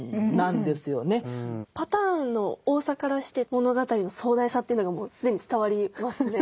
パターンの多さからして物語の壮大さというのがもう既に伝わりますね。